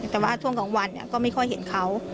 แต่ว่าช่วงกลางวันก็ไม่ค่อยเห็นเขา